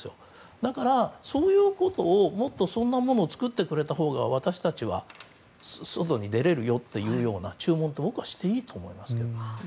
だから、もっとそんなものを作ってくれたほうが私たちは外に出られるよというような注文って僕はしていいと思いますけど。